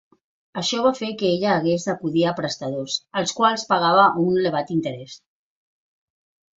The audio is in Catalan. Això va fer que ella hagués d'acudir a prestadors, als quals pagava un elevat interès.